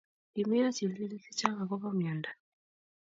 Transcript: Kimeyo chilchilik chechang'akobo myondo